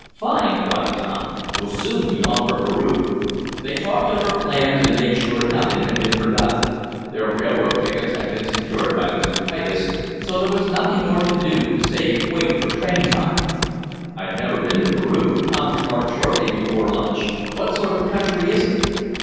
"Fine!" cried Tom. "We'll soon be off for Peru!" They talked over plans and made sure nothing had been forgotten. Their railroad tickets had been secured by Mr. Titus so there was nothing more to do save wait for train time. "I've never been to Peru," Tom remarked shortly before lunch. "What sort of country is it?"